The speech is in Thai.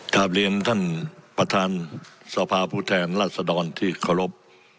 กลับเรียนท่านประธานสภาผู้แทนราชดรที่เคารพ